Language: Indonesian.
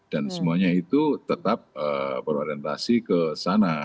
dan semuanya itu tetap berorientasi ke sana